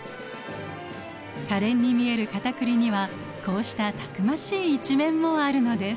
可憐に見えるカタクリにはこうしたたくましい一面もあるのです。